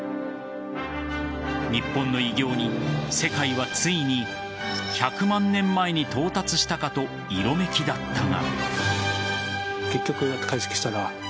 日本の偉業に世界はついに１００万年前に到達したかと色めき立ったが。